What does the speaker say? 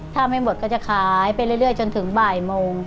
ถ้าไม่หมดก็จะขายไปเรื่อยจนถึงบ่ายโมง